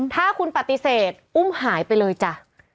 ถ้าคุณปฏิเสธอุ้มหายไปเลยจ้ะ